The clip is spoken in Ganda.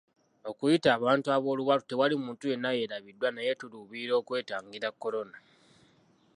Okuyita abantu ab'olubatu tewali muntu yenna yeerabiddwa naye tuluubirira okwetangira Kolona.